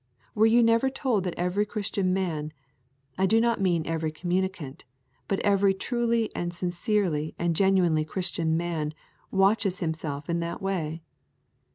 Were you never told that every Christian man, I do not mean every communicant, but every truly and sincerely and genuinely Christian man watches himself in that way?